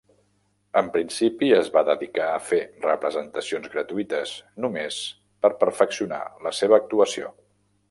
En principi es va dedicar a fer representacions gratuïtes, només per perfeccionar la seva actuació.